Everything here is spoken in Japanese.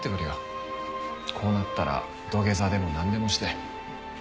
こうなったら土下座でもなんでもして。